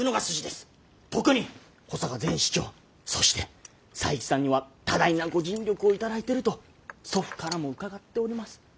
特に保坂前市長そして佐伯さんには多大なご尽力を頂いてると祖父からも伺っております。